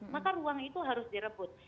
maka ruang itu harus direbut